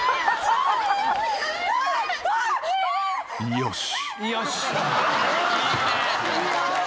「よし」